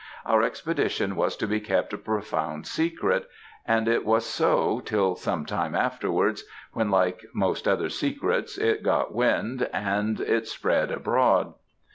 Our expedition was to be kept a profound secret; and it was so, till some time afterwards, when, like most other secrets, it got wind and it spread abroad.